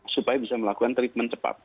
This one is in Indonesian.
supaya bisa melakukan treatment cepat